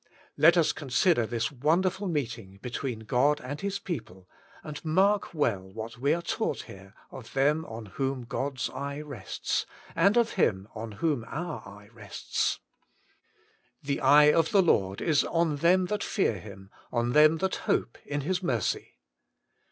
Let us consider this wonderful meeting between God and His people, and mark well what we are taught here of them on whom God's eye rests, and of Him on whom our eye rests. *The eye of the Lord is on them that /ear Him, on them that hope in His mercy.'